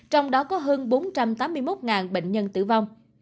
trong đó có hơn bốn trăm tám mươi một bệnh nhân tử vong